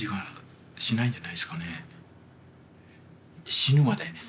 死ぬまで。